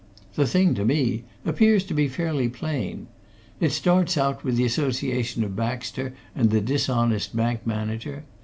The thing to me appears to be fairly plain. It starts out with the association of Baxter and the dishonest bank manager.